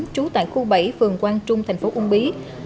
trú tại khu bảy phường quang trung tp ung bí